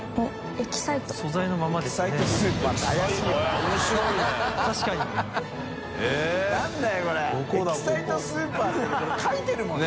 エキサイトスーパー」ってこれ書いてるもんね。